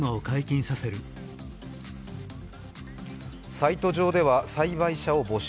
サイト上では栽培者を募集。